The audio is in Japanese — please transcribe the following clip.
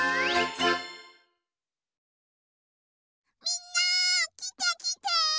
みんなきてきて！